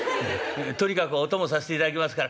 とにかくお供させていただきますから」。